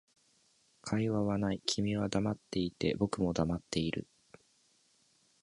会話はない、君は黙っていて、僕も黙っている